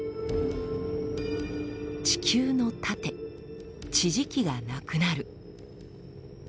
地球の盾地磁気がなくなる。